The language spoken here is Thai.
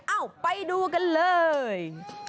เอ้าไปดูกันเลย